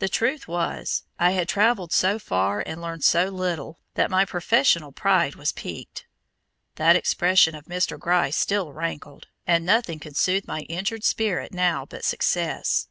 The truth was, I had travelled so far and learned so little, that my professional pride was piqued. That expression of Mr. Gryce still rankled, and nothing could soothe my injured spirit now but success.